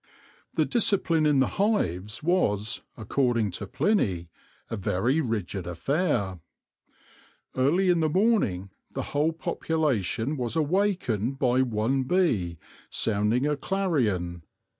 The discipline in the hives was, according to Pliny, a very rigid affair. Early in the morning the whole population was awakened by one bee sounding a clarion.